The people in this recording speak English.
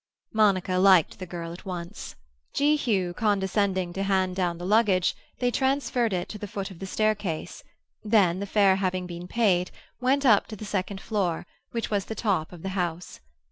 Monica liked the girl at once. Jehu condescending to hand down the luggage, they transferred it to the foot of the staircase, then, the fare having been paid, went up to the second floor, which was the top of the house.